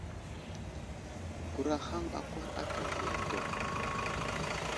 Gurahaŋ akwar aka avi atu.